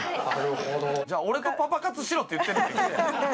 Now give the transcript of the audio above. じゃあ「俺とパパ活しろ」って言ってんのと一緒や。